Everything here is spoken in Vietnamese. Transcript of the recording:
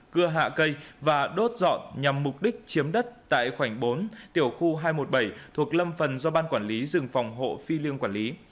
cưa hạ cây và đốt dọn nhằm mục đích chiếm đất tại khoảnh bốn tiểu khu hai trăm một mươi bảy thuộc lâm phần do ban quản lý rừng phòng hộ phi liêng quản lý